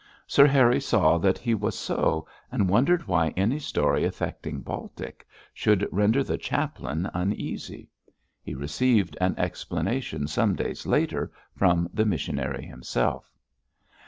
Sir Harry saw that he was so, and wondered why any story affecting Baltic should render the chaplain uneasy. He received an explanation some days later from the missionary himself.